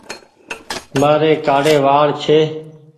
مآري ڪآڙي وآڙ ڇي۔